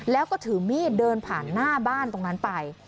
แล้วก็ถือมีดเดินผ่านหน้าบ้านตรงนั้นไป